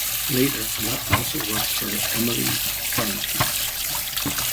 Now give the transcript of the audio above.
Later, Gutt also worked for Emile Francqui.